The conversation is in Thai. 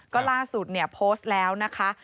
ก็ล่าสุดเนี่ยโพสต์แล้วนะคะ